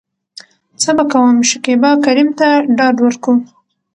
څه به کوم.شکيبا کريم ته ډاډ ورکو .